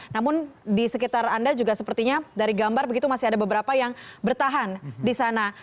namun di sekitar anda juga sepertinya dari gambar begitu masih ada beberapa yang bertahan di sana